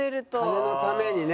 金のためにね。